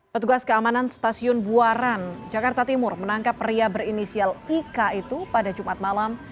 petugas keamanan stasiun buaran jakarta timur menangkap pria berinisial ika itu pada jumat malam